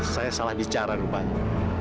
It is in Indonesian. saya salah bicara rupanya